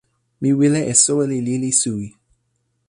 mi wile e soweli lili suwi.